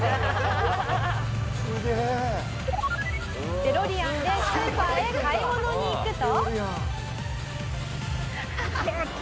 デロリアンでスーパーへ買い物に行くと。